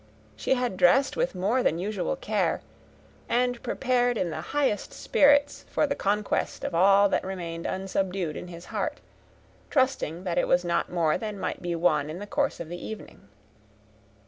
She had dressed with more than usual care, and prepared in the highest spirits for the conquest of all that remained unsubdued of his heart, trusting that it was not more than might be won in the course of the evening.